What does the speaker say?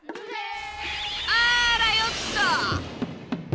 あらよっと！